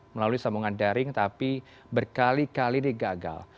melalui sambungan daring tapi berkali kali digagal